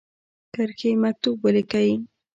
کرښې مکتوب ولیکی.